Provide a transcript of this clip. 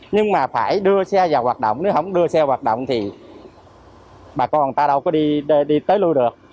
nhưng mà phải đưa xe vào hoạt động nếu không đưa xe hoạt động thì bà con người ta đâu có đi tới lưu được